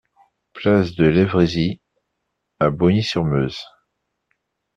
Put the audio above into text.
Place de Levrézy à Bogny-sur-Meuse